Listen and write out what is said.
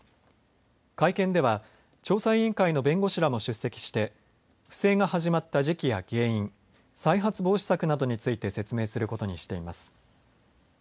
会見では調査委員会の弁護士らも出席して不正が始まった時期や原因、再発防止策などについて説明することにしています。